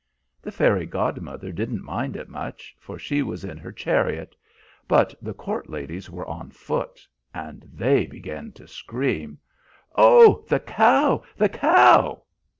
The fairy godmother didn't mind it much, for she was in her chariot; but the court ladies were on foot, and they began to scream, 'Oh, the cow! the cow!'